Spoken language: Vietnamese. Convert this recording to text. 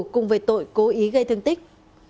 cùng với tội cố ý gây thương tích